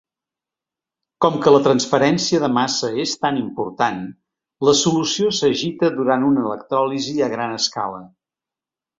Com que la transferència de massa és tan important, la solució s'agita durant una electròlisi a gran escala.